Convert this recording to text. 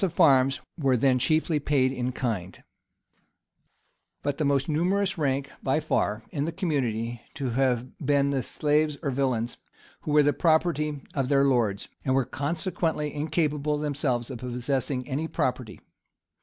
] But the most numerous rank by far in the community to have been the slaves or villains, who were the property of their lords, and were consequently incapable themselves of possessing any property.